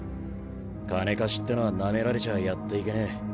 金貸しってのはナメられちゃあやっていけねえ。